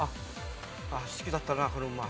好きだったなこの馬。